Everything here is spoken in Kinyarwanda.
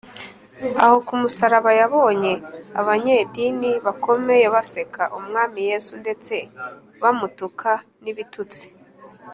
aho ku musaraba yabonye abanyedini bakomeye baseka umwami yesu ndetse bamutuka n’ibitutsi